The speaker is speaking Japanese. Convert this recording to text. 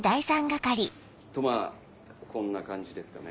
とまぁこんな感じですかね。